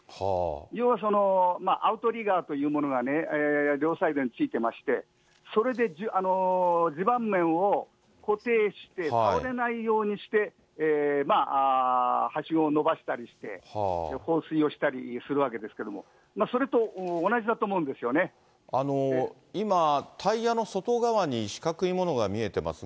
要はアウトリガーというものが両サイドについてまして、それで地盤面を固定して、倒れないようにして、はしごを伸ばしたりして、放水をしたりするわけですけれども、それと同じだと思う今、タイヤの外側に四角いものが見えてますが。